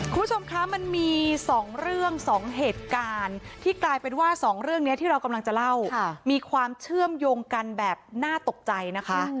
คุณผู้ชมคะมันมี๒เรื่อง๒เหตุการณ์ที่กลายเป็นว่าสองเรื่องนี้ที่เรากำลังจะเล่ามีความเชื่อมโยงกันแบบน่าตกใจนะคะ